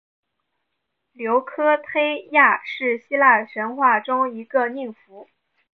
琉科忒亚是希腊神话中一个宁芙。